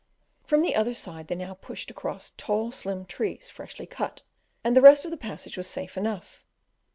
From the other side they now pushed across tall, slim trees, freshly cut, and the rest of the passage was safe enough.